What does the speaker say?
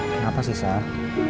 kenapa sih sar